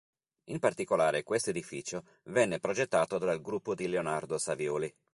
In particolare questo edificio venne progettato dal gruppo di Leonardo Savioli.